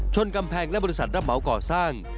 กำแพงและบริษัทรับเหมาก่อสร้าง